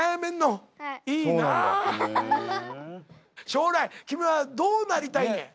将来君はどうなりたいねん？